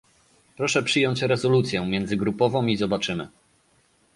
Proszę przyjąć rezolucję międzygrupową i zobaczymy